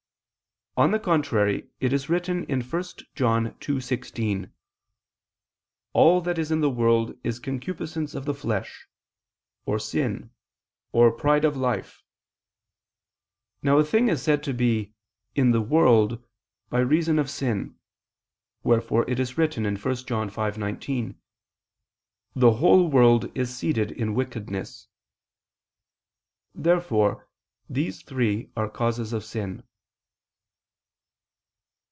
On the contrary, It is written (1 John 2:16): "All that is in the world is concupiscence of the flesh, or [Vulg.: 'and'] pride of life." Now a thing is said to be "in the world" by reason of sin: wherefore it is written (1 John 5:19): "The whole world is seated in wickedness." Therefore these three are causes of sin.